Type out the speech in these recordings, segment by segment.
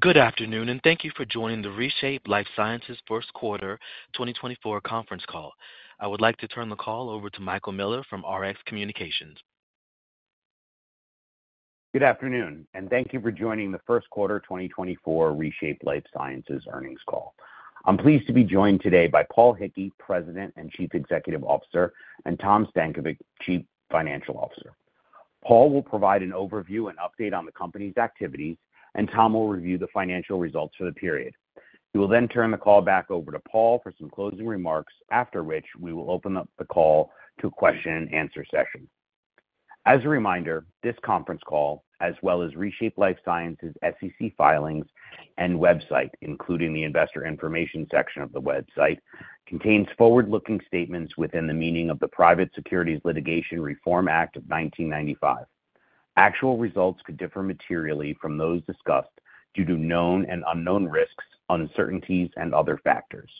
Good afternoon, and thank you for joining the ReShape Lifesciences first quarter 2024 conference call. I would like to turn the call over to Michael Miller from Rx Communications. Good afternoon, and thank you for joining the first quarter 2024 ReShape Lifesciences earnings call. I'm pleased to be joined today by Paul Hickey, President and Chief Executive Officer, and Tom Stankovich, Chief Financial Officer. Paul will provide an overview and update on the company's activities, and Tom will review the financial results for the period. We will then turn the call back over to Paul for some closing remarks, after which we will open up the call to a question and answer session. As a reminder, this conference call, as well as ReShape Lifesciences' SEC filings and website, including the investor information section of the website, contains forward-looking statements within the meaning of the Private Securities Litigation Reform Act of 1995. Actual results could differ materially from those discussed due to known and unknown risks, uncertainties, and other factors.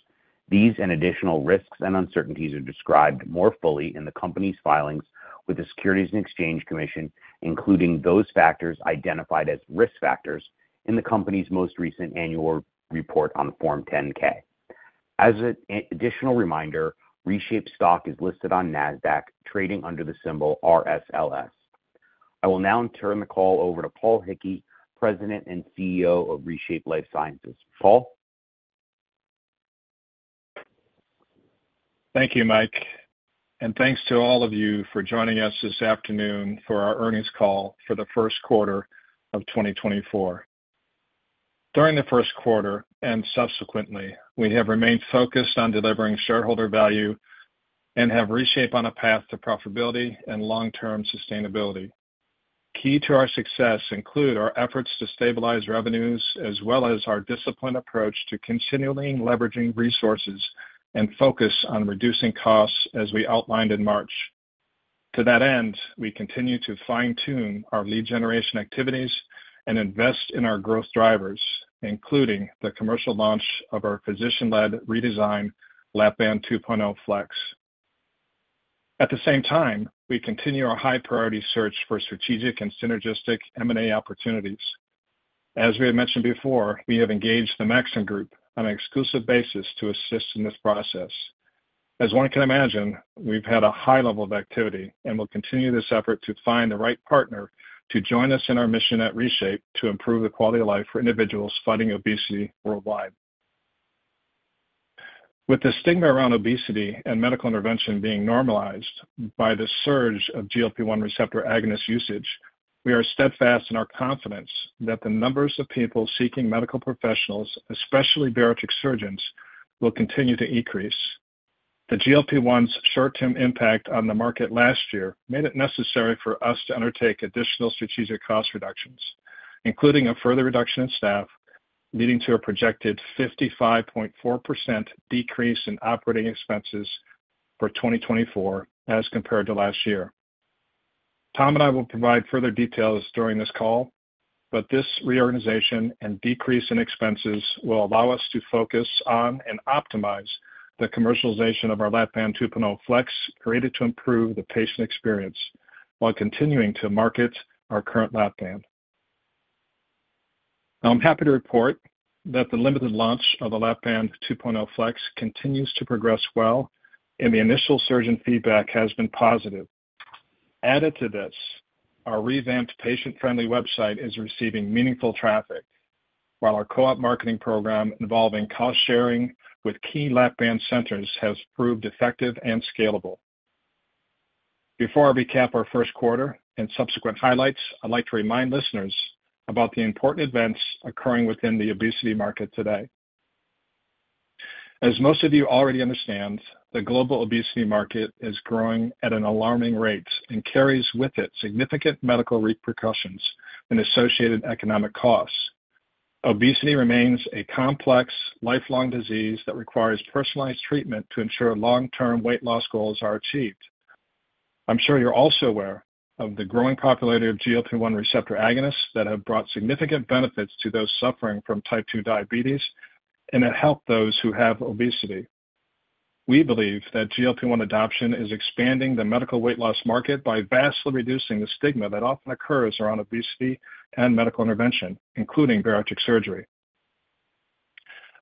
These and additional risks and uncertainties are described more fully in the company's filings with the Securities and Exchange Commission, including those factors identified as risk factors in the company's most recent annual report on Form 10-K. As an additional reminder, ReShape stock is listed on NASDAQ, trading under the symbol RSLS. I will now turn the call over to Paul Hickey, President and CEO of ReShape Lifesciences. Paul? Thank you, Mike, and thanks to all of you for joining us this afternoon for our earnings call for the first quarter of 2024. During the first quarter and subsequently, we have remained focused on delivering shareholder value and have ReShape on a path to profitability and long-term sustainability. Key to our success include our efforts to stabilize revenues, as well as our disciplined approach to continually leveraging resources and focus on reducing costs as we outlined in March. To that end, we continue to fine-tune our lead generation activities and invest in our growth drivers, including the commercial launch of our physician-led redesign, Lap-Band 2.0 FLEX. At the same time, we continue our high-priority search for strategic and synergistic M&A opportunities. As we have mentioned before, we have engaged the Maxim Group on an exclusive basis to assist in this process. As one can imagine, we've had a high level of activity, and we'll continue this effort to find the right partner to join us in our mission at ReShape to improve the quality of life for individuals fighting obesity worldwide. With the stigma around obesity and medical intervention being normalized by the surge of GLP-1 receptor agonist usage, we are steadfast in our confidence that the numbers of people seeking medical professionals, especially bariatric surgeons, will continue to increase. The GLP-1's short-term impact on the market last year made it necessary for us to undertake additional strategic cost reductions, including a further reduction in staff, leading to a projected 55.4% decrease in operating expenses for 2024 as compared to last year. Tom and I will provide further details during this call, but this reorganization and decrease in expenses will allow us to focus on and optimize the commercialization of our Lap-Band 2.0 FLEX, created to improve the patient experience while continuing to market our current Lap-Band. Now, I'm happy to report that the limited launch of the Lap-Band 2.0 FLEX continues to progress well, and the initial surgeon feedback has been positive. Added to this, our revamped patient-friendly website is receiving meaningful traffic, while our co-op marketing program involving cost-sharing with key Lap-Band centers has proved effective and scalable. Before I recap our first quarter and subsequent highlights, I'd like to remind listeners about the important events occurring within the obesity market today. As most of you already understand, the global obesity market is growing at an alarming rate and carries with it significant medical repercussions and associated economic costs. Obesity remains a complex, lifelong disease that requires personalized treatment to ensure long-term weight loss goals are achieved. I'm sure you're also aware of the growing popularity of GLP-1 receptor agonists that have brought significant benefits to those suffering from type 2 diabetes and have helped those who have obesity. We believe that GLP-1 adoption is expanding the medical weight loss market by vastly reducing the stigma that often occurs around obesity and medical intervention, including bariatric surgery.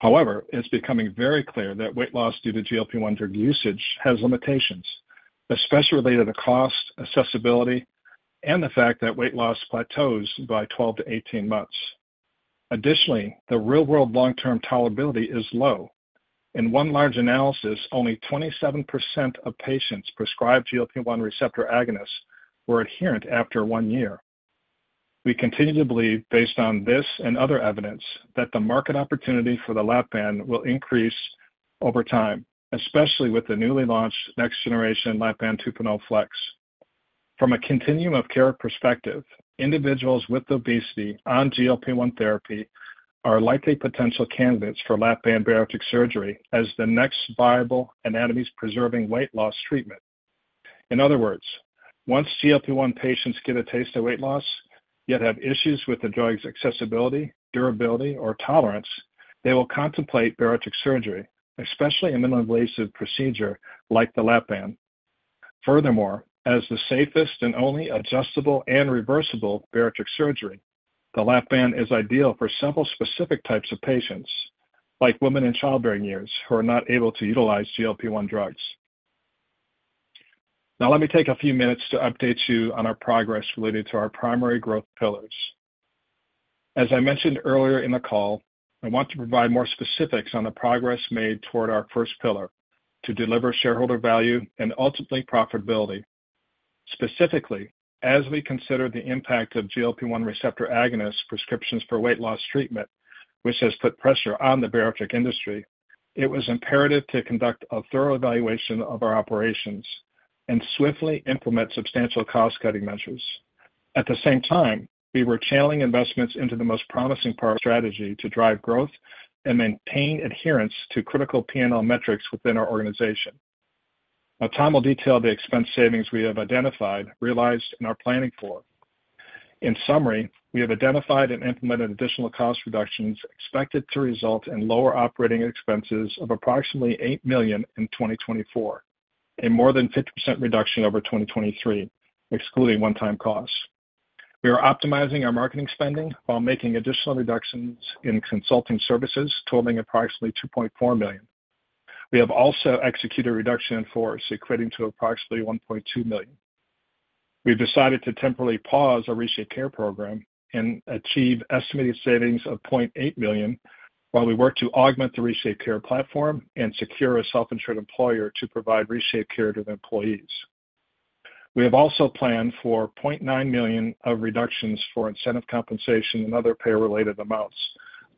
However, it's becoming very clear that weight loss due to GLP-1 drug usage has limitations, especially related to cost, accessibility, and the fact that weight loss plateaus by 12-18 months. Additionally, the real-world long-term tolerability is low. In one large analysis, only 27% of patients prescribed GLP-1 receptor agonists were adherent after one year. We continue to believe, based on this and other evidence, that the market opportunity for the Lap-Band will increase over time, especially with the newly launched next-generation Lap-Band 2.0 FLEX. From a continuum of care perspective, individuals with obesity on GLP-1 therapy are likely potential candidates for Lap-Band bariatric surgery as the next viable anatomy-preserving weight loss treatment. In other words, once GLP-1 patients get a taste of weight loss, yet have issues with the drug's accessibility, durability, or tolerance, they will contemplate bariatric surgery, especially a minimally invasive procedure like the Lap-Band. Furthermore, as the safest and only adjustable and reversible bariatric surgery, the Lap-Band is ideal for several specific types of patients, like women in childbearing years who are not able to utilize GLP-1 drugs. Now, let me take a few minutes to update you on our progress related to our primary growth pillars. As I mentioned earlier in the call, I want to provide more specifics on the progress made toward our first pillar to deliver shareholder value and ultimately profitability. Specifically, as we consider the impact of GLP-1 receptor agonist prescriptions for weight loss treatment, which has put pressure on the bariatric industry, it was imperative to conduct a thorough evaluation of our operations and swiftly implement substantial cost-cutting measures. At the same time, we were channeling investments into the most promising part of our strategy to drive growth and maintain adherence to critical P&L metrics within our organization. Now, Tom will detail the expense savings we have identified, realized, and are planning for. In summary, we have identified and implemented additional cost reductions expected to result in lower operating expenses of approximately $8 million in 2024, and more than 50% reduction over 2023, excluding one-time costs. We are optimizing our marketing spending while making additional reductions in consulting services totaling approximately $2.4 million. We have also executed a reduction in force equating to approximately $1.2 million. We've decided to temporarily pause our ReShapeCare program and achieve estimated savings of $0.8 million, while we work to augment the ReShapeCare platform and secure a self-insured employer to provide ReShapeCare to the employees. We have also planned for $0.9 million of reductions for incentive compensation and other pay-related amounts,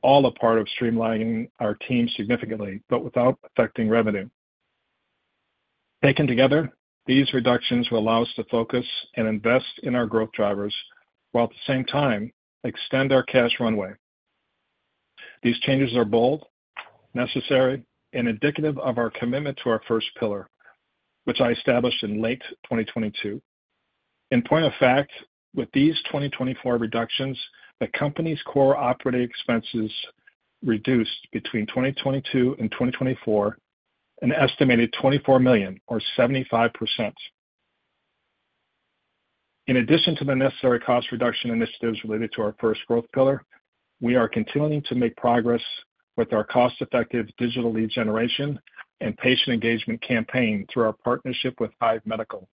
all a part of streamlining our team significantly, but without affecting revenue. Taken together, these reductions will allow us to focus and invest in our growth drivers while at the same time extend our cash runway. These changes are bold, necessary, and indicative of our commitment to our first pillar, which I established in late 2022. In point of fact, with these 2024 reductions, the company's core operating expenses reduced between 2022 and 2024, an estimated $24 million or 75%. In addition to the necessary cost reduction initiatives related to our first growth pillar, we are continuing to make progress with our cost-effective digital lead generation and patient engagement campaign through our partnership with Hive Medical.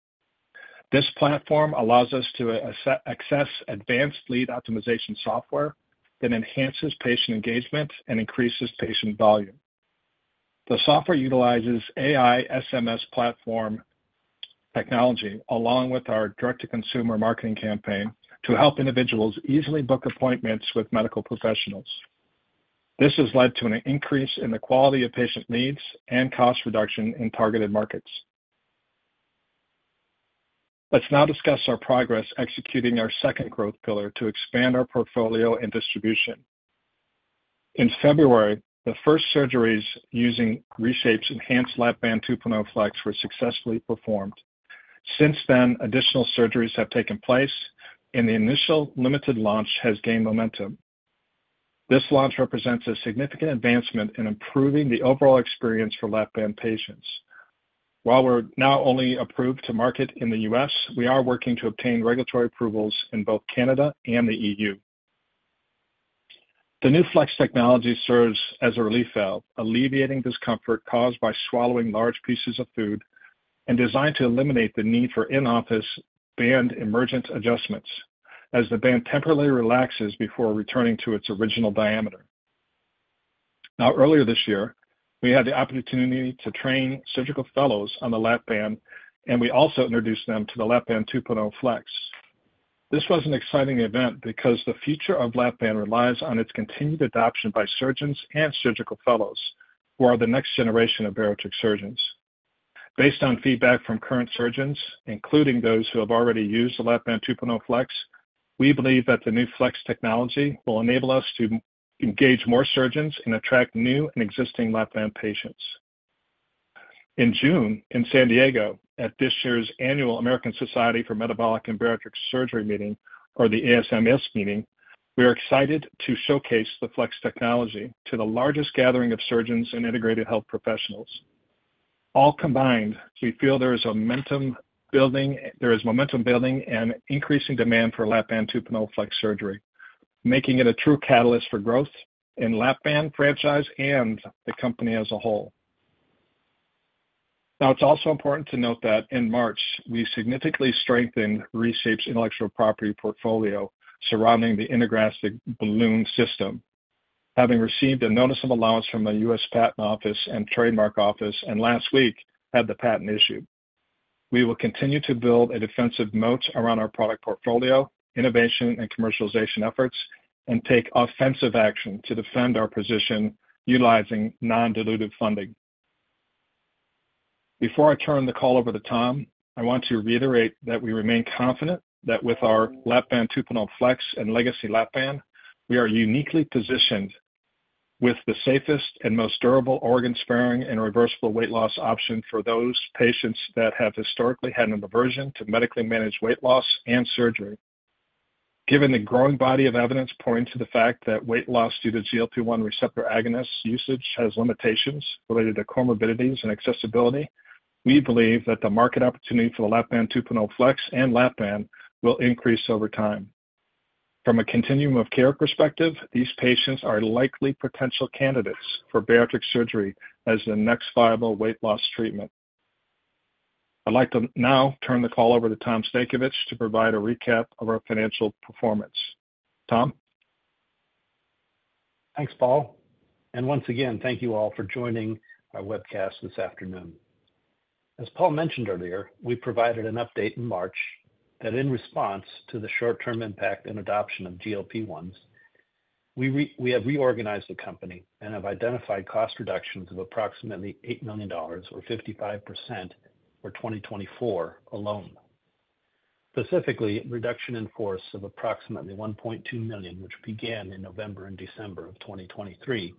This platform allows us to access advanced lead optimization software that enhances patient engagement and increases patient volume. The software utilizes AI SMS platform technology, along with our direct-to-consumer marketing campaign, to help individuals easily book appointments with medical professionals. This has led to an increase in the quality of patient leads and cost reduction in targeted markets. Let's now discuss our progress executing our second growth pillar to expand our portfolio and distribution. In February, the first surgeries using ReShape's enhanced Lap-Band 2.0 FLEX were successfully performed. Since then, additional surgeries have taken place, and the initial limited launch has gained momentum. This launch represents a significant advancement in improving the overall experience for Lap-Band patients. While we're now only approved to market in the U.S., we are working to obtain regulatory approvals in both Canada and the EU. The new Flex technology serves as a relief valve, alleviating discomfort caused by swallowing large pieces of food and designed to eliminate the need for in-office band emergent adjustments, as the band temporarily relaxes before returning to its original diameter. Now, earlier this year, we had the opportunity to train surgical fellows on the Lap-Band, and we also introduced them to the Lap-Band 2.0 FLEX. This was an exciting event because the future of Lap-Band relies on its continued adoption by surgeons and surgical fellows, who are the next generation of bariatric surgeons. Based on feedback from current surgeons, including those who have already used the Lap-Band 2.0 FLEX, we believe that the new Flex technology will enable us to engage more surgeons and attract new and existing Lap-Band patients. In June, in San Diego, at this year's annual American Society for Metabolic and Bariatric Surgery meeting, or the ASMBS meeting, we are excited to showcase the Flex technology to the largest gathering of surgeons and integrated health professionals. All combined, we feel there is a momentum building—there is momentum building and increasing demand for Lap-Band 2.0 FLEX surgery, making it a true catalyst for growth in Lap-Band franchise and the company as a whole. Now, it's also important to note that in March, we significantly strengthened ReShape's intellectual property portfolio surrounding the intragastric balloon system. Having received a notice of allowance from the U.S. Patent and Trademark Office, and last week, had the patent issued. We will continue to build a defensive moat around our product portfolio, innovation and commercialization efforts, and take offensive action to defend our position utilizing non-dilutive funding. Before I turn the call over to Tom, I want to reiterate that we remain confident that with our Lap-Band 2.0 FLEX and legacy Lap-Band, we are uniquely positioned with the safest and most durable organ-sparing and reversible weight loss option for those patients that have historically had an aversion to medically managed weight loss and surgery. Given the growing body of evidence pointing to the fact that weight loss due to GLP-1 receptor agonist usage has limitations related to comorbidities and accessibility, we believe that the market opportunity for the Lap-Band 2.0 FLEX and Lap-Band will increase over time. From a continuum of care perspective, these patients are likely potential candidates for bariatric surgery as the next viable weight loss treatment. I'd like to now turn the call over to Tom Stankovich to provide a recap of our financial performance. Tom? Thanks, Paul, and once again, thank you all for joining our webcast this afternoon. As Paul mentioned earlier, we provided an update in March that in response to the short-term impact and adoption of GLP-1s, we have reorganized the company and have identified cost reductions of approximately $80 million, or 55%, for 2024 alone. Specifically, reduction in force of approximately $1.2 million, which began in November and December of 2023,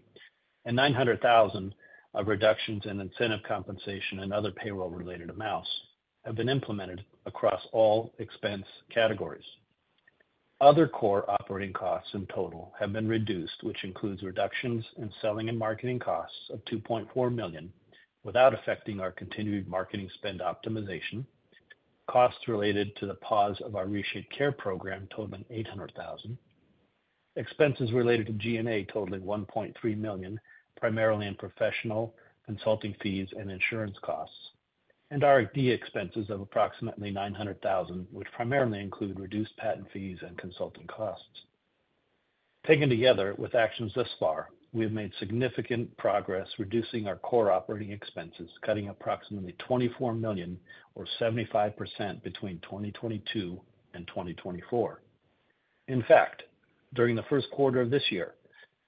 and $900,000 of reductions in incentive compensation and other payroll-related amounts have been implemented across all expense categories. Other core operating costs in total have been reduced, which includes reductions in selling and marketing costs of $2.4 million, without affecting our continued marketing spend optimization. Costs related to the pause of our ReShapeCare program totaled $800,000. Expenses related to G&A totaling $1.3 million, primarily in professional consulting fees and insurance costs, and R&D expenses of approximately $900,000, which primarily include reduced patent fees and consulting costs. Taken together, with actions thus far, we have made significant progress reducing our core operating expenses, cutting approximately $24 million, or 75%, between 2022 and 2024. In fact, during the first quarter of this year,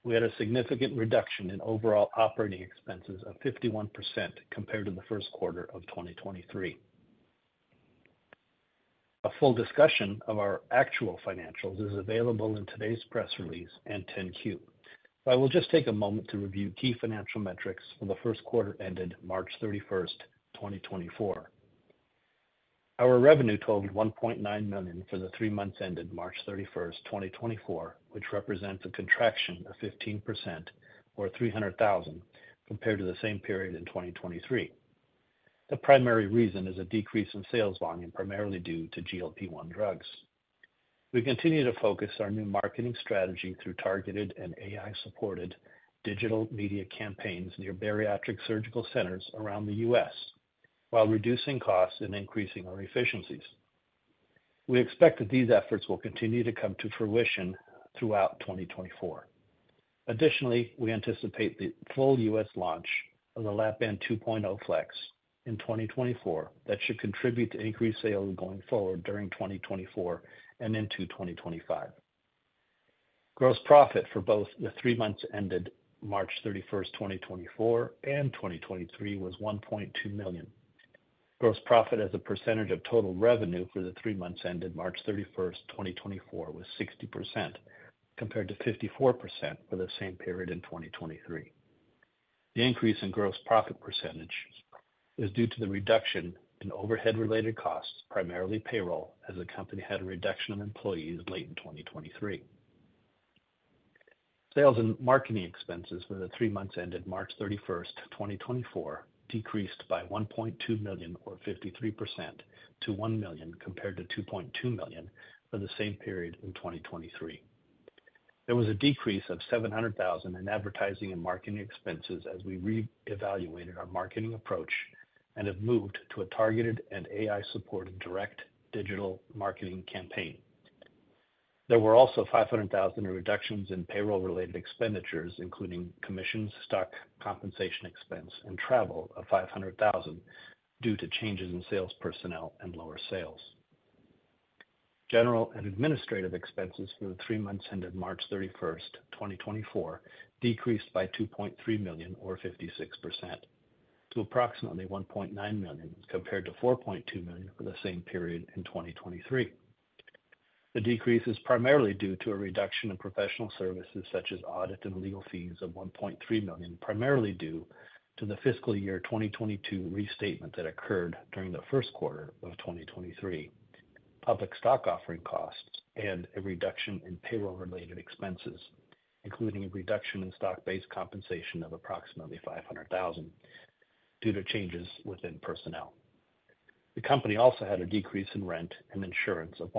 we had a significant reduction in overall operating expenses of 51% compared to the first quarter of 2023. A full discussion of our actual financials is available in today's press release and 10-Q. I will just take a moment to review key financial metrics for the first quarter ended March 31, 2024. Our revenue totaled $1.9 million for the three months ended March 31, 2024, which represents a contraction of 15%, or $300,000, compared to the same period in 2023. The primary reason is a decrease in sales volume, primarily due to GLP-1 drugs. We continue to focus our new marketing strategy through targeted and AI-supported digital media campaigns near bariatric surgical centers around the U.S., while reducing costs and increasing our efficiencies. We expect that these efforts will continue to come to fruition throughout 2024. Additionally, we anticipate the full U.S. launch of the Lap-Band 2.0 FLEX in 2024. That should contribute to increased sales going forward during 2024 and into 2025. Gross profit for both the three months ended March 31, 2024 and 2023 was $1.2 million. Gross profit as a percentage of total revenue for the three months ended March 31st, 2024, was 60%, compared to 54% for the same period in 2023. The increase in gross profit percentage is due to the reduction in overhead-related costs, primarily payroll, as the company had a reduction of employees late in 2023. Sales and marketing expenses for the three months ended March 31st, 2024, decreased by $1.2 million, or 53%, to $1 million, compared to $2.2 million for the same period in 2023. There was a decrease of $700,000 in advertising and marketing expenses as we reevaluated our marketing approach and have moved to a targeted and AI-supported direct digital marketing campaign. There were also $500 thousand in reductions in payroll-related expenditures, including commissions, stock, compensation expense, and travel of $5000 due to changes in sales personnel and lower sales. General and administrative expenses for the three months ended March 31st, 2024, decreased by $2.3 million, or 56%, to approximately $1.9 million, compared to $4.2 million for the same period in 2023. The decrease is primarily due to a reduction in professional services such as audit and legal fees of $1.3 million, primarily due to the fiscal year 2022 restatement that occurred during the first quarter of 2023. Public stock offering costs and a reduction in payroll-related expenses, including a reduction in stock-based compensation of approximately $5000 due to changes within personnel. The company also had a decrease in rent and insurance of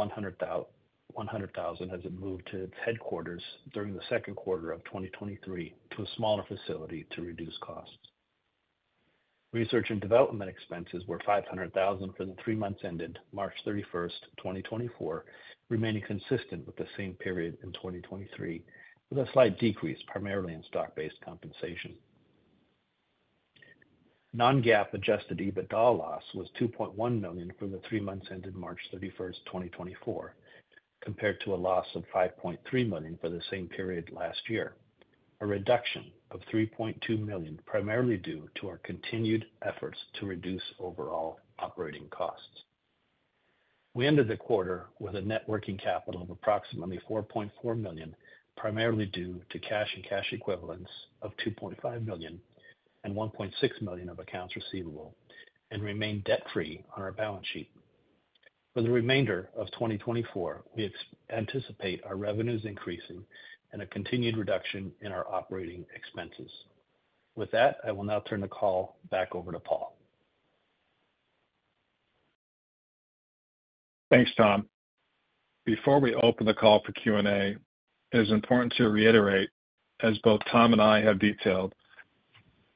$100,000 as it moved to its headquarters during the second quarter of 2023 to a smaller facility to reduce costs. Research and development expenses were $500,000 for the three months ended March 31, 2024, remaining consistent with the same period in 2023, with a slight decrease primarily in stock-based compensation. Non-GAAP Adjusted EBITDA loss was $2.1 million for the three months ended March 31, 2024, compared to a loss of $5.3 million for the same period last year, a reduction of $3.2 million, primarily due to our continued efforts to reduce overall operating costs. We ended the quarter with a net working capital of approximately $4.4 million, primarily due to cash and cash equivalents of $2.5 million and $1.6 million of accounts receivable, and remain debt-free on our balance sheet. For the remainder of 2024, we anticipate our revenues increasing and a continued reduction in our operating expenses. With that, I will now turn the call back over to Paul. Thanks, Tom. Before we open the call for Q&A, it is important to reiterate, as both Tom and I have detailed,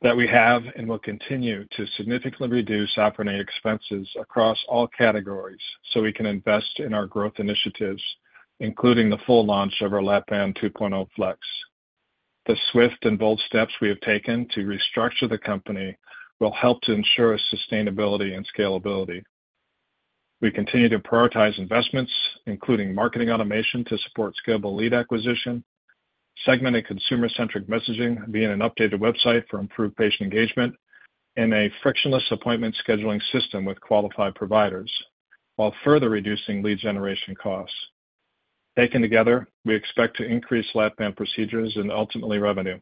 that we have and will continue to significantly reduce operating expenses across all categories so we can invest in our growth initiatives, including the full launch of our Lap-Band 2.0 FLEX. The swift and bold steps we have taken to restructure the company will help to ensure sustainability and scalability. We continue to prioritize investments, including marketing automation, to support scalable lead acquisition, segmented consumer-centric messaging via an updated website for improved patient engagement, and a frictionless appointment scheduling system with qualified providers, while further reducing lead generation costs. Taken together, we expect to increase Lap-Band procedures and ultimately revenue.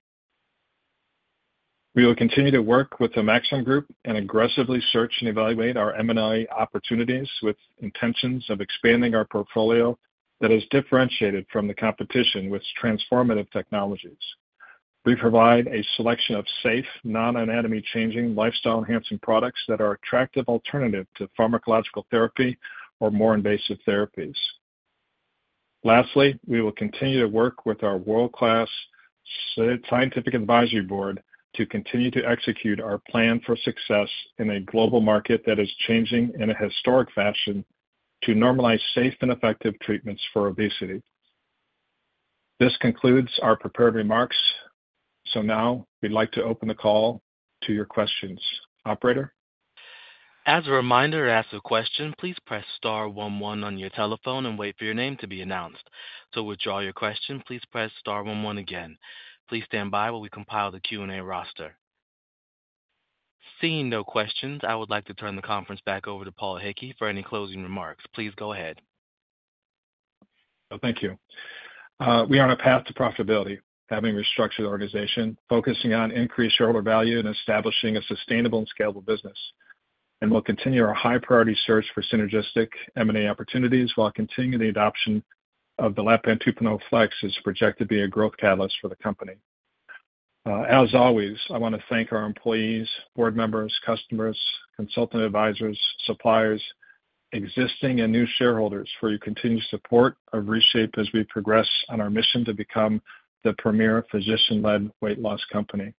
We will continue to work with the Maxim Group and aggressively search and evaluate our M&A opportunities with intentions of expanding our portfolio that is differentiated from the competition with transformative technologies. We provide a selection of safe, non-anatomy-changing, lifestyle-enhancing products that are attractive alternative to pharmacological therapy or more invasive therapies. Lastly, we will continue to work with our world-class scientific advisory board to continue to execute our plan for success in a global market that is changing in a historic fashion to normalize safe and effective treatments for obesity. This concludes our prepared remarks. So now we'd like to open the call to your questions. Operator? As a reminder, to ask a question, please press star one one on your telephone and wait for your name to be announced. To withdraw your question, please press star one one again. Please stand by while we compile the Q&A roster. Seeing no questions, I would like to turn the conference back over to Paul Hickey for any closing remarks. Please go ahead. Well, thank you. We are on a path to profitability, having restructured the organization, focusing on increased shareholder value, and establishing a sustainable and scalable business. We'll continue our high priority search for synergistic M&A opportunities, while continuing the adoption of the Lap-Band 2.0 FLEX is projected to be a growth catalyst for the company. As always, I want to thank our employees, board members, customers, consultant, advisors, suppliers, existing and new shareholders for your continued support of ReShape as we progress on our mission to become the premier physician-led weight loss company.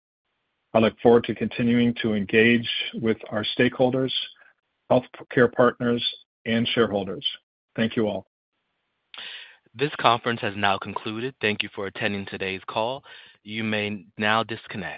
I look forward to continuing to engage with our stakeholders, healthcare partners, and shareholders. Thank you all. This conference has now concluded. Thank you for attending today's call. You may now disconnect.